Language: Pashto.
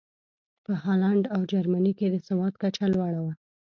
په هالنډ او جرمني کې د سواد کچه لوړه وه.